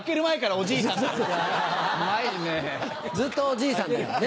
ずっとおじいさんだからね。